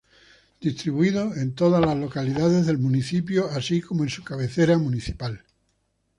Distribuidos en todas localidades del municipio así como en su cabecera municipal.